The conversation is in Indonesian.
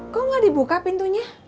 kok gak dibuka pintunya